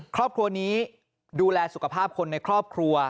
ครอบครัวนี้ดูแลสุขภาพคนในครอบครัว